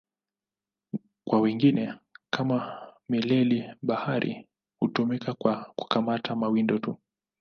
Kwa wengine, kama mileli-bahari, hutumika kwa kukamata mawindo tu.